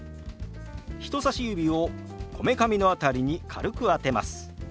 人さし指をこめかみの辺りに軽く当てます。